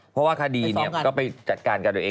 เพราะว่าคดีก็ไปจัดการกับตัวเอง